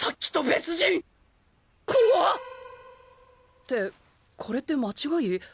ってこれって間違い？